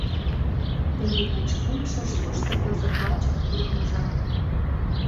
Теве кеч кумшыш, тушто кызыт лачак тургым жап...»